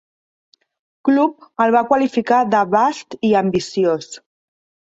Club" el va qualificar de "vast i ambiciós".